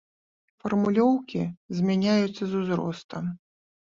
Фармулёўкі змяняюцца з узростам.